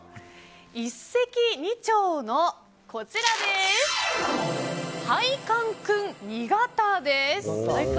一石二鳥！の配管くん２型です。